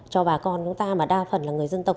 cho bà con chúng ta mà đa phần là người dân tộc